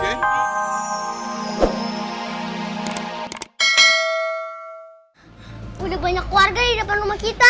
udah banyak keluarga di depan rumah kita